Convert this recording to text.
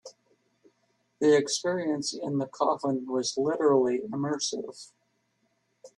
The experience in the coffin was literally immersive.